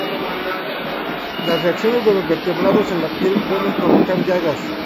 Las reacciones de los vertebrados en la piel pueden provocar llagas.